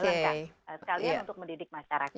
sekalian untuk mendidik masyarakat